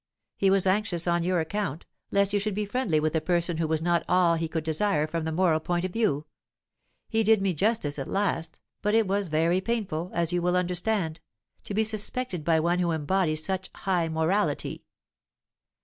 He was anxious on your account, lest you should be friendly with a person who was not all he could desire from the moral point of view. He did me justice at last, but it was very painful, as you will understand, to be suspected by one who embodies such high morality."